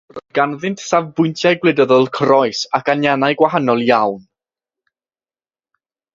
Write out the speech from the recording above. Roedd ganddynt safbwyntiau gwleidyddol croes ac anianau gwahanol iawn.